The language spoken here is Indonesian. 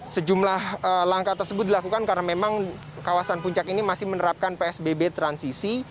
sejumlah langkah tersebut dilakukan karena memang kawasan puncak ini masih menerapkan psbb transisi